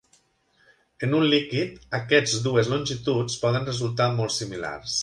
En un líquid, aquests dues longituds poden resultar molt similars.